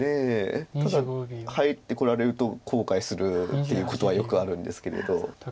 ただ入ってこられると後悔するっていうことはよくあるんですけれど。